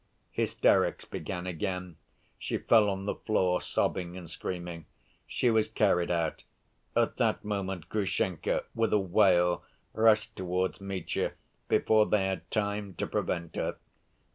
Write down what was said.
Hysterics began again: she fell on the floor, sobbing and screaming. She was carried out. At that moment Grushenka, with a wail, rushed towards Mitya before they had time to prevent her.